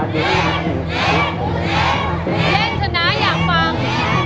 เล่นชนะอยากฟัง